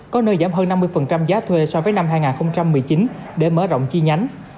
có nơi giảm hơn năm mươi giá thuê so với năm hai nghìn một mươi chín để mở rộng chi nhánh